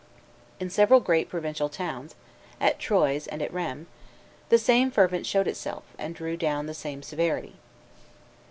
In several great provincial cities, at Troyes and at Rheims, the same ferment showed itself, and drew down the same severity.